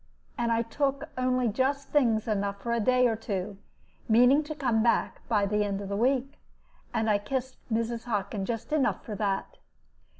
And I took only just things enough for a day or two, meaning to come back by the end of the week. And I kissed Mrs. Hockin just enough for that.